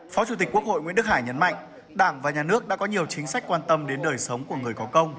phó chủ tịch quốc hội nguyễn đức hải nhấn mạnh đảng và nhà nước đã có nhiều chính sách quan tâm đến đời sống của người có công